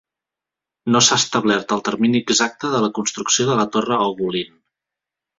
No s'ha establert el termini exacte de la construcció de la torre Ogulin.